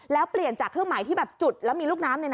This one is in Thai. แล้วเปลี่ยนจากเครื่องหมายที่แบบจุดแล้วมีลูกน้ำ